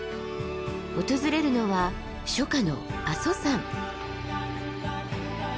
訪れるのは初夏の阿蘇山。